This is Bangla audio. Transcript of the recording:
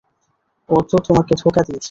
ও তো তোমাকে ধোঁকা দিয়েছে!